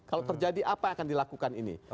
kalau terjadi apa yang akan dilakukan ini